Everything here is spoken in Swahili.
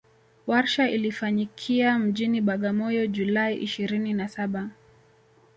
Warsha ilifanyikia mjini Bagamoyo July ishirini na Saba